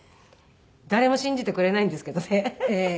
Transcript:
誰も信じてくれないんですけどね。